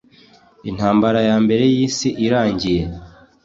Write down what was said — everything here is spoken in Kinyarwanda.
intambara ya mbere y'isi irangiye.